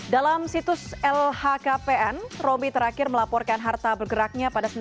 dalam situs lhkpn romi terakhir melaporkan harta bergeraknya pada sembilan belas maret dua ribu sepuluh